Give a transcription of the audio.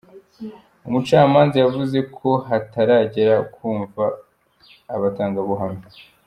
Umucamanza yavuze ko hataragera kumva abatangabuhamya.